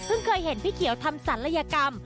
เคยเห็นพี่เขียวทำศัลยกรรม